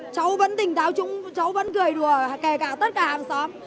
cháu vẫn tỉnh táo chung cháu vẫn cười đùa kể cả tất cả hàng xóm